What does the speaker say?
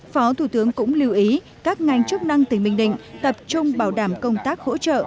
phó thủ tướng cũng lưu ý các ngành chức năng tỉnh bình định tập trung bảo đảm công tác hỗ trợ